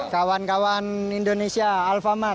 kawan kawan indonesia alfamat